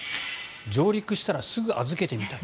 上陸したらすぐ預けてみたい